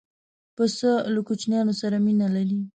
پسه له کوچنیانو سره مینه لري.